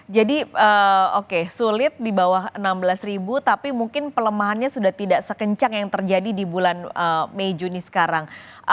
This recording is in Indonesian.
jadi sulit di bawah enam belas ribu tapi mungkin pelemahannya sudah tidak sekencang yang terjadi di bulan mei juni sekarang